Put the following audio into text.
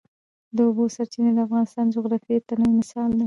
د اوبو سرچینې د افغانستان د جغرافیوي تنوع مثال دی.